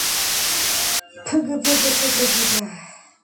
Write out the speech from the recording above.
ფგფგფგფგფ